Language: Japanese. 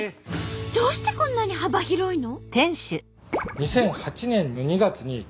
どうしてこんなに幅広いの？